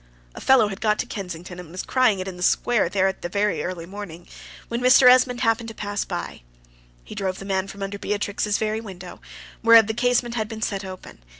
A fellow had got to Kensington, and was crying it in the square there at very early morning, when Mr. Esmond happened to pass by. He drove the man from under Beatrix's very window, whereof the casement had been set open.